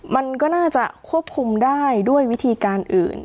มันก็น่าจะควบคุมได้ด้วยวิธีการอื่น